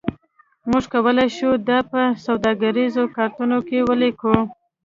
موږ کولی شو دا په سوداګریزو کارتونو کې ولیکو